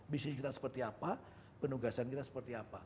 bisnis kita seperti apa penugasan kita seperti apa